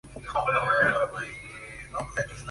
Su espalda y alas son de color verde.